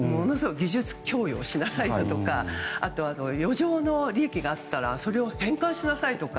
技術供与をしなさいだとかあとは余剰の利益があったら返還しなさいだとか。